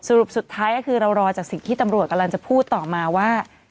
สรุปสุดท้ายก็คือเรารอจากสิ่งที่ตำรวจกำลังจะพูดต่อมาว่า